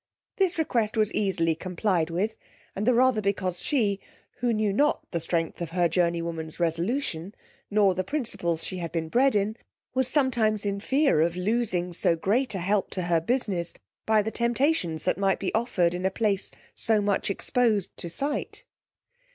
This request was easily complied with, and the rather because she, who knew not the strength of her journey woman's resolution, nor the principles she had been bred in, was sometimes in fear of losing so great a help to her business, by the temptations that might be offered in a place so much exposed to sight.